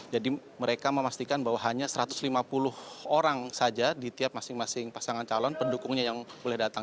jadi mereka memastikan bahwa hanya satu ratus lima puluh orang saja di tiap masing masing pasangan calon pendukungnya yang boleh datang